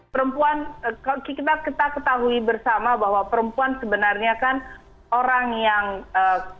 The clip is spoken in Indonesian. perempuan kita ketahui bersama bahwa perempuan sebenarnya kan orang yang ee